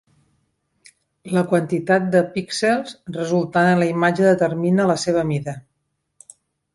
La quantitat de píxels resultant en la imatge determina la seva mida.